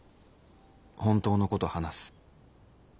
本当のことを話す。